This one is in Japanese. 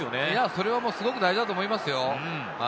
それはすごく大事だと思いますよ。